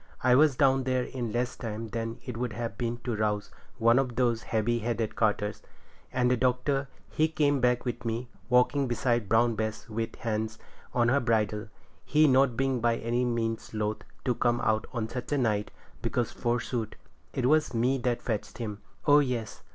I was down there in less time than it would have taken to rouse one of those heavy headed carters; and Doctor, he come back with me, walking beside Brown Bess with his hand on her bridle, he not being by any means loth to come out such a night, because, forsooth, it was me that fetched him. Oh yes!